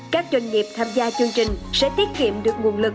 các doanh nghiệp tham gia chương trình sẽ tiết kiệm được nguồn lực